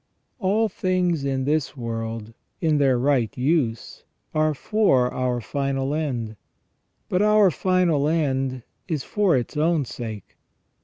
All things in this world, in their right use, are for our final end, but our final end is for its own sake.